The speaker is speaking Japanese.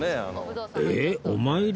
えっお参り？